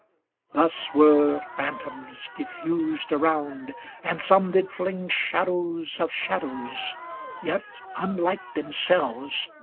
Thus were 'Phantoms diffused around; and some did fling Shadows of shadows, yet unlike themselves.